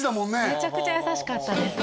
めちゃくちゃ優しかったです